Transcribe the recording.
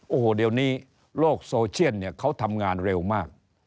โอ้โหเดี๋ยวนี้โลกโซเชียลเนี่ยเขาทำงานเร็วมาก